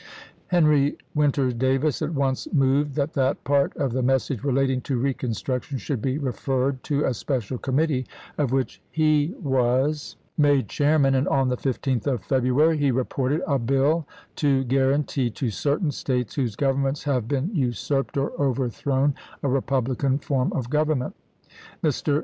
Henry Winter Davis at once moved that that part of the message relating to reconstruction should be re ferred to a special committee, of which he was HENRY WINTER DAVIS. THE WADE DAVIS MANIFESTO 113 made chairman ; and on the 15th of February he chap. v. reported "a bill to guarantee to certain States whose governments have been usurped or over "Globe," thrown a republican form of government." Mr. V m.